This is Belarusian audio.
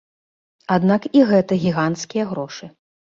Аднак і гэта гіганцкія грошы.